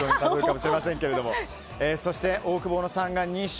そしてオオクボーノさんが２勝。